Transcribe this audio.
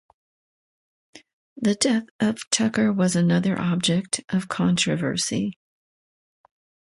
The death of Tucker was another object of controversy.